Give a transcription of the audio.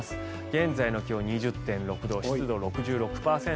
現在の気温、２０．６度湿度６６％。